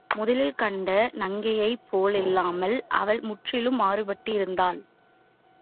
முதலில் கண்ட நங்கையைப் போலில்லாமல் அவள் முற்றிலும் மாறுபட்டிருந்தாள்.